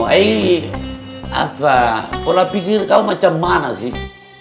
eh apa pola pikir kau macam mana sih